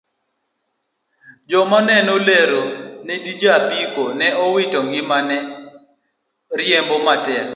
Joneno lero ni ja apiko ma owito ngimane ne riembo matek